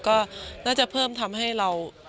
ก็น่าจะเพิ่มทำให้เรา